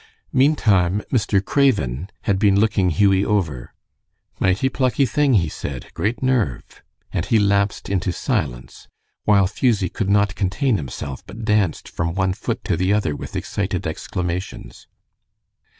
Meantime, Mr. Craven had been looking Hughie over. "Mighty plucky thing," he said. "Great nerve," and he lapsed into silence, while Fusie could not contain himself, but danced from one foot to the other with excited exclamations.